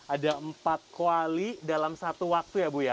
ada empat kuali dalam satu waktu ya bu ya